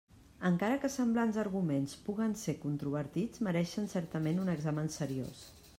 Encara que semblants arguments puguen ser controvertits, mereixen certament un examen seriós.